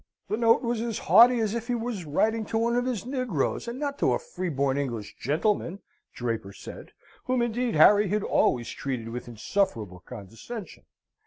"The note was as haughty as if he was writing to one of his negroes, and not to a freeborn English gentleman," Draper said; whom indeed Harry had always treated with insufferable condescension.